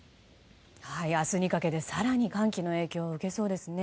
明日にかけて更に寒気の影響を受けそうですね。